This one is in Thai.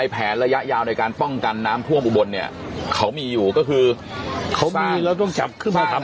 แผนละยะยาวในการป้องกันน้ำทั่วอุบลก็คือ